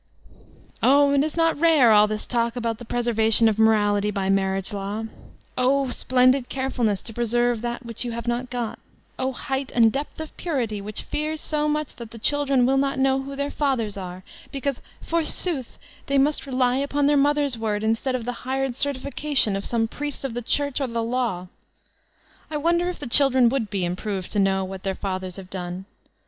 Oh, is it not rare, all this talk about the preservation of morality by marriage law 1 O splendid carefulness to preserve that which you have not got! O height and depth of purity, which fears so much that the children will not know who their fathers are, because, forsooth, they must rely upon their mother's word instead of the hired certification of some priest of the Church, or the Law! I wonder if the children would be improved to know what their fathers have done.